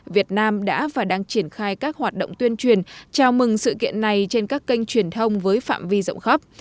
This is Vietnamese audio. việt nam đã và đang triển khai các hoạt động tuyên truyền chào mừng sự kiện này trên các kênh truyền thông với phạm vi rộng khắp